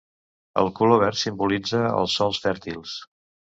El color verd simbolitza els sòls fèrtils.